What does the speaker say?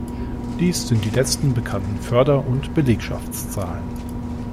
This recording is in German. Dies sind die letzten bekannten Förder- und Belegschaftszahlen.